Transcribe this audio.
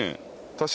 確かに。